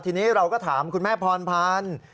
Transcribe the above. ทีนี้เราก็ถามคุณแม่พรพันธ์